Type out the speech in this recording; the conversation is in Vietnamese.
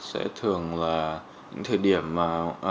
sẽ thường là những thời điểm mà